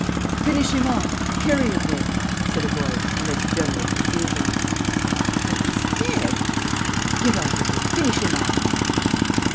"Finish him off! Carry him there!" said a voice, amid the general confusion. "But he's dead!" "Get on with it ... finish him off!"